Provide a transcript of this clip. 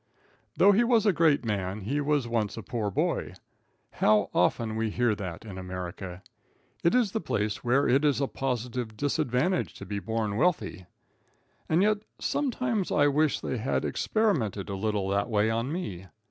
Though he was a great man, he was once a poor boy. How often we hear that in America! It is the place where it is a positive disadvantage to be born wealthy. And yet, sometimes I wish they had experimented a little that way on me.